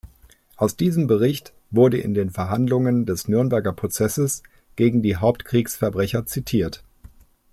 Aus diesem Bericht wurde in den Verhandlungen des Nürnberger Prozesses gegen die Hauptkriegsverbrecher zitiert.